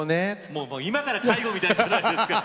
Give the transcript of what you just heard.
もう今から介護みたいじゃないですか。